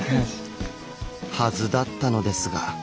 はずだったのですが。